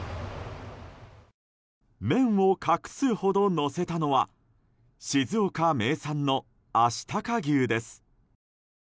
麺を隠すほどのせたのは静岡名産の、あしたか牛です。